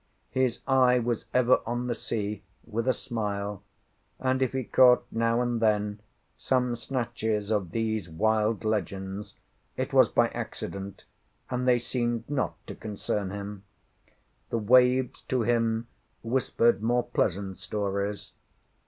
His eye was ever on the sea, with a smile: and, if he caught now and then some snatches of these wild legends, it was by accident, and they seemed not to concern him. The waves to him whispered more pleasant stories.